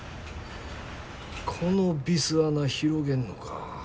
このビス穴広げんのか。